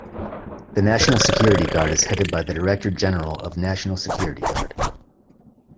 The National Security Guard is headed by the Director General of National Security Guard.